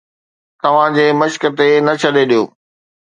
توهان جي مشق تي نه ڇڏي ڏيو